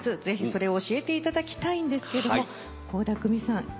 ぜひそれを教えていただきたいんですけど倖田來未さん